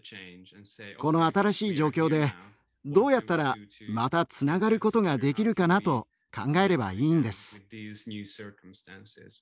この新しい状況でどうやったらまたつながることができるかなと考えればいいんです。